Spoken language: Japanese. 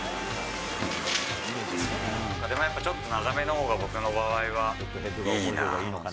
でもやっぱ、ちょっと長めのほうが、僕の場合はいいな。